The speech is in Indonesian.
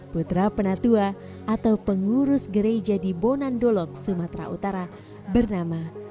putra penatua atau pengurus gereja di bonan dolong sumatera utara bernama friedrich silaban